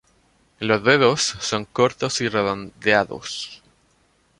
Los dedos son cortos y redondeados.